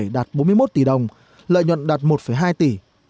đạt bốn mươi một tỷ đồng lợi nhuận đạt một hai tỷ